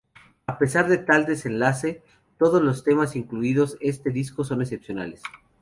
A pesar de tal desenlace, todos los temas incluidos en este disco son excepcionales.